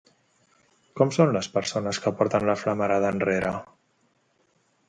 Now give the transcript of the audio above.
Com són les persones que porten la flamarada enrere?